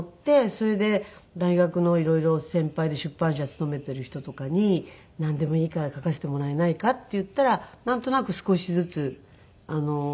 それで大学の色々先輩で出版社勤めている人とかに「なんでもいいから書かせてもらえないか」って言ったらなんとなく少しずつアルバイトが増えてきて。